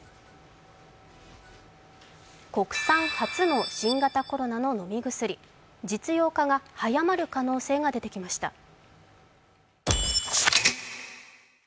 国産初の新型コロナの飲み薬、実用化が早まる可能性が出てきました。